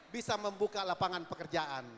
bisa membuka lapangan pekerjaan